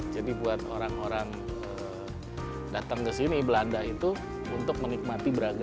jadi buat orang orang datang ke sini belanda ini kan paris pansawa dulu jadi buat orang orang datang ke sini belanda